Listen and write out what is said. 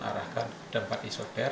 arahkan tempat isoter